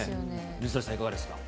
水谷さん、いかがですか。